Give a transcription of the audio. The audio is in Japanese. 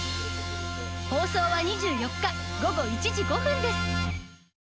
放送は２４日、午後１時５分です。